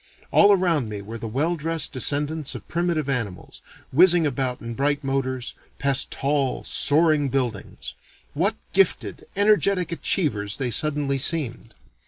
All around me were the well dressed descendants of primitive animals, whizzing about in bright motors, past tall, soaring buildings. What gifted, energetic achievers they suddenly seemed!